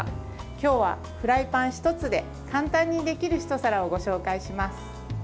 今日は、フライパン１つで簡単にできるひと皿をご紹介します。